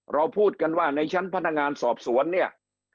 เราพูดกันว่าในชั้นพนักงานสอบสวนเนี่ย